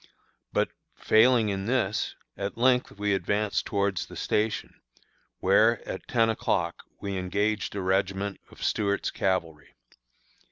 But, failing in this, at length we advanced towards the station, where, at ten o'clock, we engaged a regiment of Stuart's cavalry.